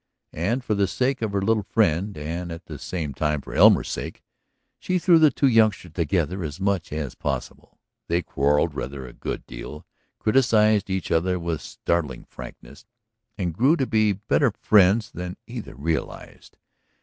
And for the sake of her little friend, and at the same time for Elmer's sake, she threw the two youngsters together as much as possible. They quarrelled rather a good deal, criticised each other with startling frankness, and grew to be better friends than either realized.